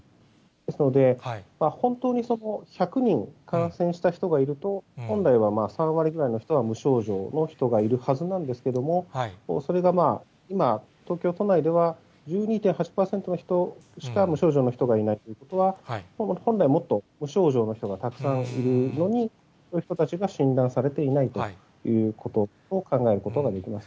ですので、本当にそこ、１００人感染した人がいると、本来は３割ぐらいの人は無症状の人がいるはずなんですけれども、それが今、東京都内では１２．８％の人しか無症状の人がいないということは、本来もっと無症状の人がたくさんいるのに、そういう人たちが診断されていないということを考えることができます。